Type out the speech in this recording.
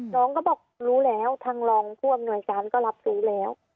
น้องก็บอกรู้แล้วทางรองผู้อำนวยการก็รับรู้แล้ว